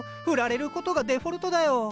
フラれることがデフォルトだよ。